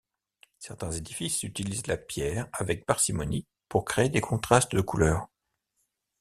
Certains édifices utilisent la pierre avec parcimonie pour créer des contrastes de couleurs.